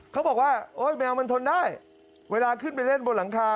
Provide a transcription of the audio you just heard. เขาบอกว่าโอ๊ยแมวมันทนได้เวลาขึ้นไปเล่นบนหลังคา